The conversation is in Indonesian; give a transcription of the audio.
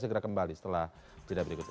segera kembali setelah tidak berikutnya